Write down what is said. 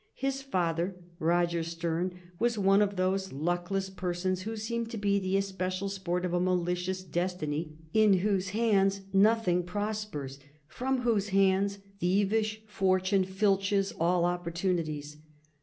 His father, Tloger Sterne, was one of those luckless per sons who seem to be the especial sport of a malicious des tiny, in whose hands nothing prospers, from whose hands thievish Fortune filches all opportunities.